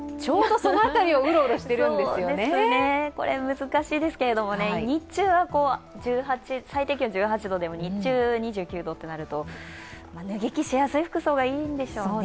難しいですけれども、日中は最低気温１８度でも日中２９度となると、脱ぎ着しやすい服装がいいんでしょうね。